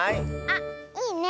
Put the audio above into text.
あっいいね。